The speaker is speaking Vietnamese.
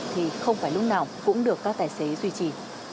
thì không phải lúc nào cũng được các tài xế duy trì